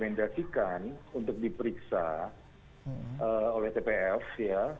yang dikomendasikan untuk diperiksa oleh tpf